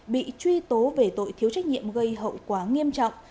bị truy tố về tội thiếu trách nhiệm gây hậu quả nghiêm trọng